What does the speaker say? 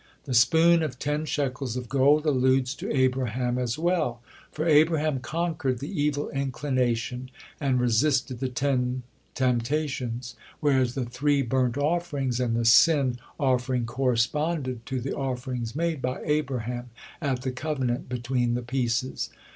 The spoon of ten shekels of gold alludes to Abraham as well, for Abraham conquered the evil inclination and resisted the ten temptations, whereas the three burnt offerings and the sin offering corresponded to the offerings made by Abraham at the covenant between the pieces.